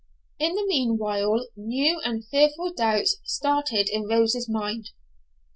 In the meanwhile, new and fearful doubts started in Rose's mind.